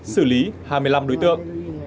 xử lý hai mươi năm đối tượng